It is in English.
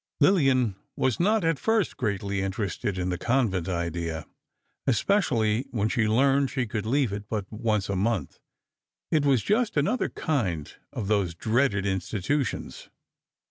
Lillian was not at first greatly interested in the convent idea, especially when she learned she could leave it but once a month. It was just another kind of those dreaded "Institutions."